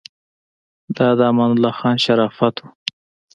دا د امان الله خان شرافت و.